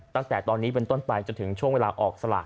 ตั้งแต่ตอนนี้เป็นต้นไปจนถึงช่วงเวลาออกสลาก